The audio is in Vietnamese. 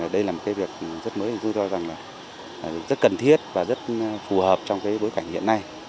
cái việc rất mới thì tôi cho rằng là rất cần thiết và rất phù hợp trong cái bối cảnh hiện nay